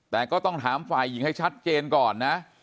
แต่ก็ต้องถามฝ่ายหญิงให้ชัดเจนก่อนนะ